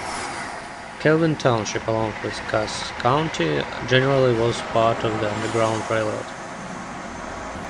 Calvin Township along with Cass County generally was part of the Underground Railroad.